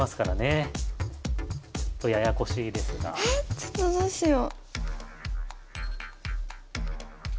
ちょっとどうしよう。